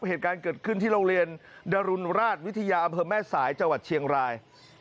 เหตุการณ์เกิดขึ้นที่โรงเรียนดรุนราชวิทยาอำเภอแม่สายจังหวัดเชียงราย